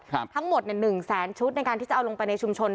ทั้งหมดเนี่ยหนึ่งแสนชุดในการที่จะเอาลงไปในชุมชน